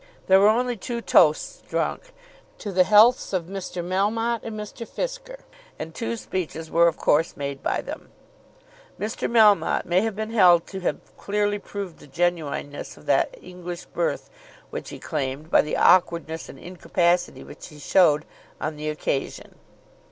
There were only two toasts drunk, to the healths of Mr. Melmotte and Mr. Fisker, and two speeches were of course made by them. Mr. Melmotte may have been held to have clearly proved the genuineness of that English birth which he claimed by the awkwardness and incapacity which he showed on the occasion.